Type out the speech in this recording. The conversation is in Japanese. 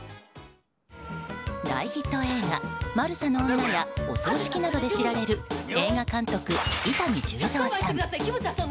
大ヒット映画「マルサの女」や「お葬式」などで知られる映画監督・伊丹十三さん。